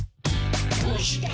「どうして？